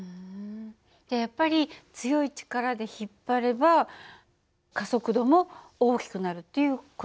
じゃやっぱり強い力で引っ張れば加速度も大きくなるっていう事なのね。